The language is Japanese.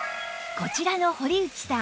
こちらの堀内さん